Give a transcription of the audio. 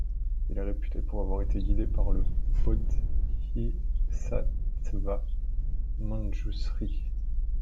Il est réputé avoir été guidé par le bodhisattva Manjushri.